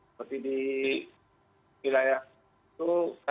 seperti di wilayah itu